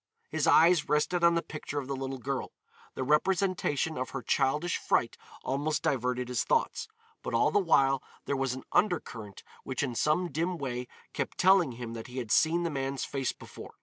His eyes rested on the picture of the little girl. The representation of her childish fright almost diverted his thoughts, but all the while there was an undercurrent which in some dim way kept telling him that he had seen the man's face before.